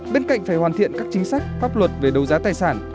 bên cạnh phải hoàn thiện các chính sách pháp luật về đấu giá tài sản